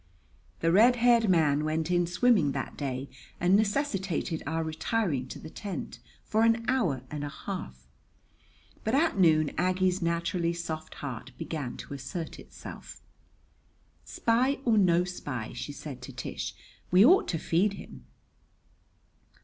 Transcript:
The red haired man went in swimming that day and necessitated our retiring to the tent for an hour and a half; but at noon Aggie's naturally soft heart began to assert itself. "Spy or no spy," she said to Tish, "we ought to feed him."